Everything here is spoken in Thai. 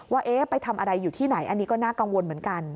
ว่าไปทำอะไรอยู่ที่ไหนอันนี้ก็น่ากังวลเหมือนกัน